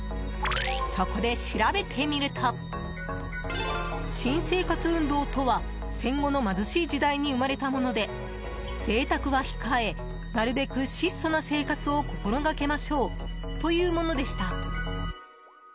そこで調べてみると新生活運動とは戦後の貧しい時代に生まれたもので贅沢は控えなるべく質素な生活を心がけましょうというものでした。